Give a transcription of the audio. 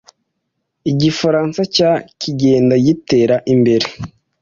Igifaransa cya kigenda gitera imbere.